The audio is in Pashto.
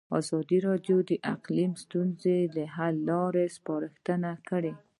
ازادي راډیو د اقلیم د ستونزو حل لارې سپارښتنې کړي.